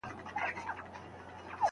موږ په اختر کې یو بل ته دعاګانې کوو.